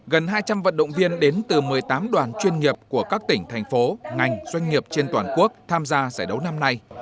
gần hai trăm linh vận động viên đến từ một mươi tám đoàn chuyên nghiệp của các tỉnh thành phố ngành doanh nghiệp trên toàn quốc tham gia giải đấu năm nay